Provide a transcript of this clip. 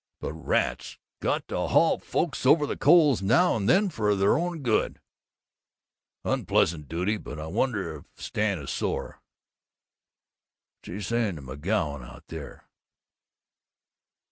But rats, got to haul folks over the coals now and then for their own good. Unpleasant duty, but I wonder if Stan is sore? What's he saying to McGoun out there?"